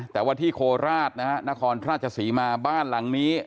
แต่ว่าที่โคราชนะฮะนครราชศรีมาบ้านหลังนี้